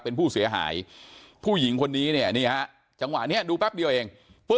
เป็นผู้เสียหายผู้หญิงคนนี้เนี่ยดูแป๊บเดียวเอง